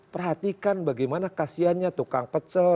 perhatikan bagaimana kasiannya tukang pecel